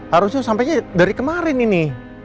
harusnya sampainya dari kemarin ini